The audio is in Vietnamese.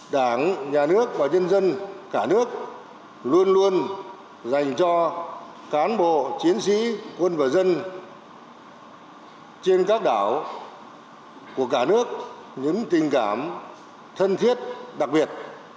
đảng nhà nước và nhân dân cả nước luôn luôn dành cho cán bộ chiến sĩ quân và dân trên các đảo của cả nước những tình cảm thân thiết đặc biệt